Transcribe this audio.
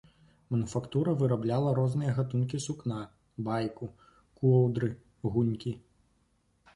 Мануфактура вырабляла розныя гатункі сукна, байку, коўдры, гунькі.